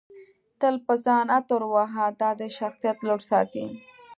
تل په ځان عطر وهه دادی شخصیت لوړ ساتي